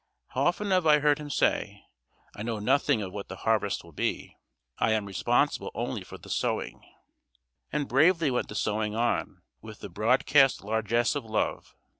How often have I heard him say, "I know nothing of what the harvest will be; I am responsible only for the sowing." And bravely went the sowing on, with the broadcast largesse of love.